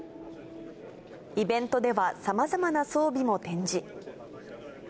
イベントではさまざまな装備も展示。